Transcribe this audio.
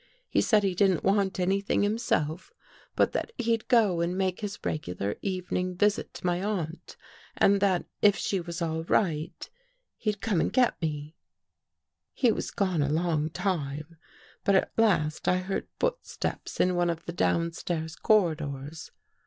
He said he didn't want anything himself, but that he'd go and make his 305 THE GHOST GIRL regular evening visit to my aunt and that if she was all right, he'd come and get me. " He was gone a long time, but at last I heard footsteps in one of the downstairs corridors.